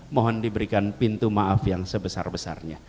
mohon diberikan pintu maaf yang sebesar besarnya